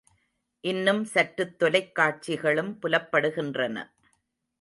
இன்னும் சற்றுத் தொலைக்காட்சிகளும் புலப்படுகின்றன.